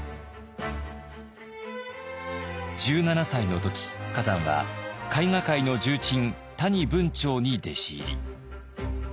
１７歳の時崋山は絵画界の重鎮谷文晁に弟子入り。